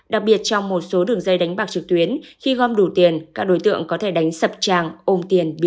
đặc biệt trong một số đường dây đánh bạc trực tuyến khi gom đủ tiền các đối tượng có thể đánh sập trang ôm tiền